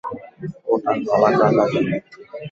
ওটা গলা কেটে দে।